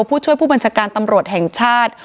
ผู้ช่วยผู้บัญชาการตำรวจแห่งชาติ